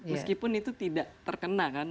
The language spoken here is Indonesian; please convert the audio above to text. meskipun itu tidak terkena kan